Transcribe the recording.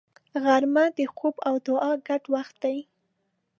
غرمه د خوب او دعا ګډ وخت دی